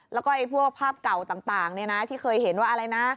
แล้วก็พวกภาพเก่าต่างที่เคยเห็นว่าอะไรนะ